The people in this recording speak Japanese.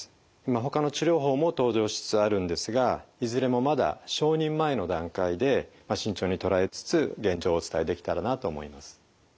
ほかの治療法も登場しつつあるんですがいずれもまだ承認前の段階で慎重に捉えつつ現状をお伝えできたらなと思います。